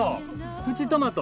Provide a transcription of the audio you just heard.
プチトマト？